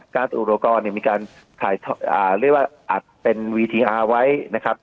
การตัวอุโรคมีการถ่ายอ่าเรียกว่าอัดเป็นวีทิอาร์ไว้นะครับ